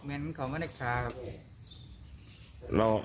แม่งเขาไม่ได้ขาครับ